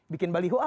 bikin baliho ah gitu